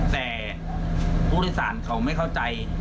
แต่ผู้โดยสารเขาไม่เข้าใจ